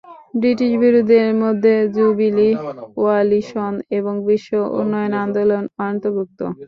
British বিরোধীদের মধ্যে jubilee coalition এবং বিশ্ব উন্নয়ন আন্দোলন অন্তর্ভুক্ত।